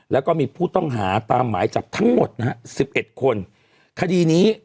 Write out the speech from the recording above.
แล้วก็มีผู้ต้องหาตามหมายจับทั้งหมดนะฮะสิบเอ็ดคนคดีนี้